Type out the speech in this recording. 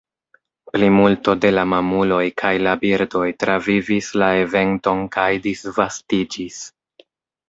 Plimulto de la mamuloj kaj la birdoj travivis la eventon kaj disvastiĝis.